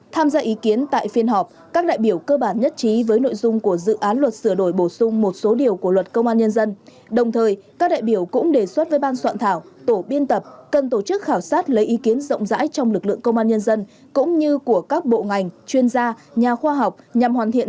quan điểm chỉ đạo này cần được kịp thời thể chế trong dự án luật sửa đổi bổ sung một số điều của luật công an nhân dân để triển khai thực hiện có hiệu quả trên thực tiễn